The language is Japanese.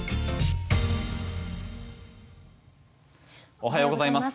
おはようございます。